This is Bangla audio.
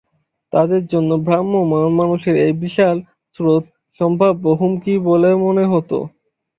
তাদের কাছে ভ্রাম্যমাণ মানুষের এই বিশাল স্রোত সম্ভাব্য হুমকি বলে মনে হত।